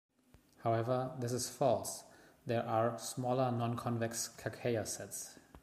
However, this is false; there are smaller non-convex Kakeya sets.